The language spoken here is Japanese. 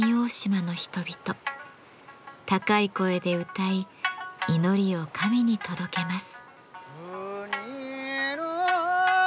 高い声で歌い祈りを神に届けます。